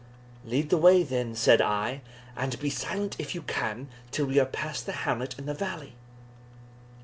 "Lead the way, then," said I, "and be silent if you can, till we are past the hamlet in the valley."